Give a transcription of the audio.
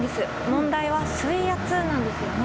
問題は水圧なんですよね。